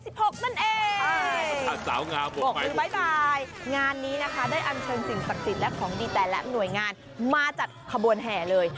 หรือบ๊ายบายงานนี้นะคะได้อันเชิญสิ่งศักดิ์สิทธิ์และของดีแต่ละหน่วยงานมาจัดขบวนแห่เลย